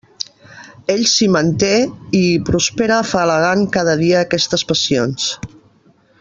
Ell s'hi manté i hi prospera afalagant cada dia aquestes passions.